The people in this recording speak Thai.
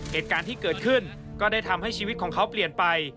เหตุการณ์ที่เกิดขึ้นก็ได้ทำให้ชีวิตของเขาเปลี่ยนไป